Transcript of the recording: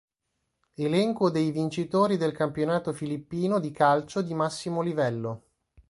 Elenco dei vincitori del campionato filippino di calcio di massimo livello.